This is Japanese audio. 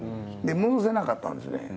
でも戻せなかったんですね。